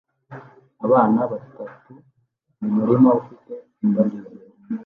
abana batatu mu murima ufite indabyo zera